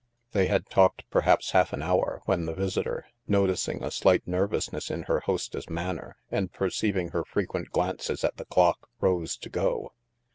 They had talked perhaps half an hour, when the visitor, noticing a slight nervousness in her hostess' manner and perceiving her frequent glances at the clock, rose to go.